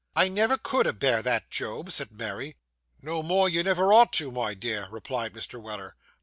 'I never could a bear that Job,' said Mary. 'No more you never ought to, my dear,' replied Mr. Weller.